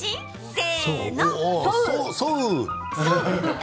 せーの！